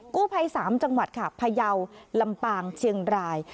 กู้ภัย๓จังหวัดค่ะพยาวลำปางเชียงราย